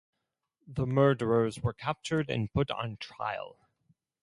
The murderers were captured and put on trial.